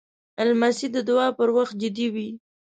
لمسی د دعا پر وخت جدي وي.